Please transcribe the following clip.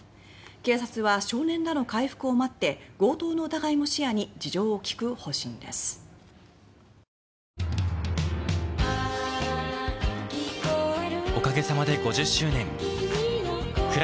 警察は少年らの回復を待って強盗の疑いも視野に離してください。